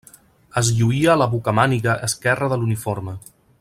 Es lluïa a la bocamàniga esquerra de l'uniforme.